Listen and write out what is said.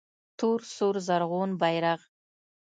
تور سور زرغون بیرغ